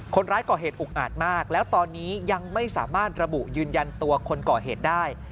คนร้ายก่อเหตุอุกอาจมากแล้วตอนนี้ยังไม่สามารถระบุยืนยันตัวคนก่อเหตุได้